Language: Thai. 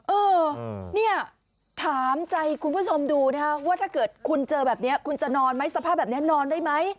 เออเนี่ยถามใจคุณผู้ชมดูนะคะว่าถ้าเกิดคุณเจอแบบนี้คุณจะนอนไหมสภาพแบบนี้นอนได้ไหม